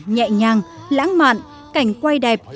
nhẹ nhàng lãng mạn cảnh quay đẹp